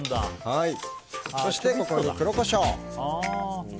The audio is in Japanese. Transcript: そしてここに黒コショウ。